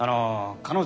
彼女。